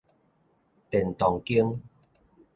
電動間